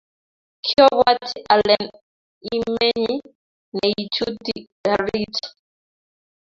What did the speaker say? Kiobwati alen imenyi neichuti garit